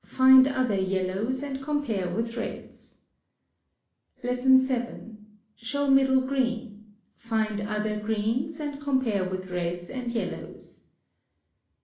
Find other yellows, and compare with reds. 7. Show MIDDLE GREEN. Find other greens, „ with reds and yellows.